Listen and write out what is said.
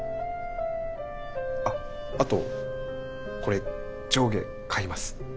あっあとこれ上下買います。